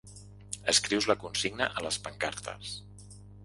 Escrius la consigna a les pancartes.